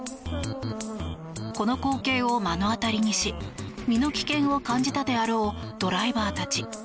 この光景を目の当たりにし身の危険を感じたであろうドライバーたち。